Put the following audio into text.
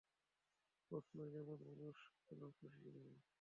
প্রশ্ন যেমন মানুষ কেন খুশি নয়।